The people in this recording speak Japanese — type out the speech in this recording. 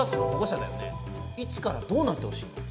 いつからどうなってほしいの？